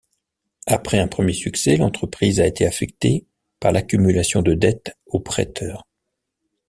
Après un premier succès, l'entreprise a été affectée par l'accumulation de dettes aux prêteurs.